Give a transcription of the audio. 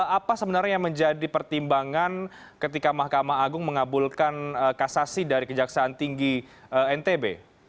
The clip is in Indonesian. apa sebenarnya yang menjadi pertimbangan ketika mahkamah agung mengabulkan kasasi dari kejaksaan tinggi ntb